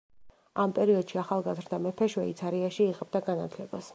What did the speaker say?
ამ პერიოდში ახალგაზრდა მეფე შვეიცარიაში იღებდა განათლებას.